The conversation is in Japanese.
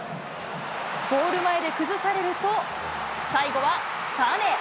ゴール前で崩されると、最後はサネ。